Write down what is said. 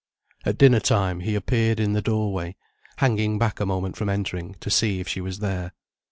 At dinner time, he appeared in the doorway, hanging back a moment from entering, to see if she was there.